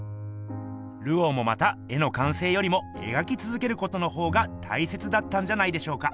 ルオーもまた絵の完成よりもえがきつづけることのほうがたいせつだったんじゃないでしょうか。